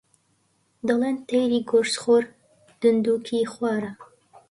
دەڵێن تەیری گۆشتخۆر دندووکی خوارە